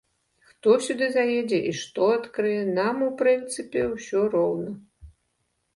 Хто сюды заедзе і што адкрые, нам, у прынцыпе, усё роўна.